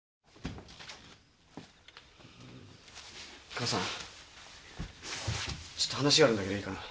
母さんちょっと話があるんだけどいいかな？